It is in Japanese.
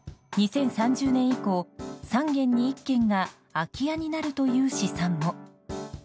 ２０３０年以降、３軒に１軒が空き家になるという試算も。